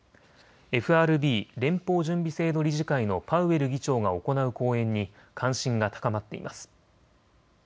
ＦＲＢ・連邦準備制度理事会のパウエル議長が行う講演に関心が高まっています。